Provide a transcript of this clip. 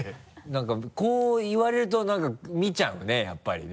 なんかこう言われるとなんか見ちゃうねやっぱりね。